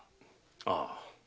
ああ。